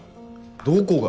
どこが？